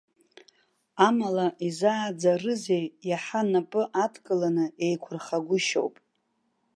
Амала, изааӡарызеи, иаҳа напы адкыланы еиқәырхагәышьоуп.